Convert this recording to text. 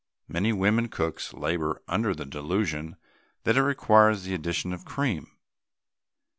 Many women cooks labour under the delusion that it requires the addition of cream.